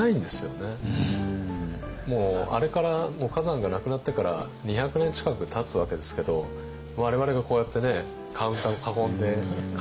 もうあれから崋山が亡くなってから２００年近くたつわけですけど我々がこうやってねカウンターを囲んで崋山の話をするっていう。